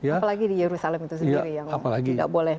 apalagi di yerusalem itu sendiri yang tidak boleh